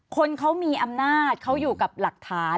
คนเขามีอำนาจเขาอยู่กับหลักฐาน